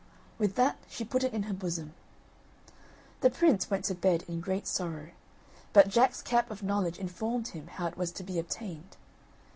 With that she put it in her bosom. The prince went to bed in great sorrow, but Jack's cap of knowledge informed him how it was to be obtained.